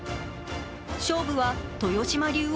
勝負は豊島竜王